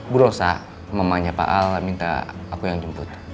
bu rosa mamanya pak al minta aku yang jemput